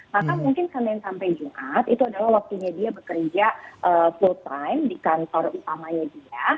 maka mungkin senin sampai jumat itu adalah waktunya dia bekerja full time di kantor utamanya dia